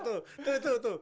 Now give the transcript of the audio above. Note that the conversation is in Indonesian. pak marji dimana bawa baju